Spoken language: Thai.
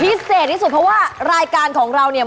พิเศษที่สุดเพราะว่ารายการของเราเนี่ย